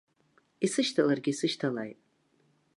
Исышьҭаларгьы исышьҭалааит!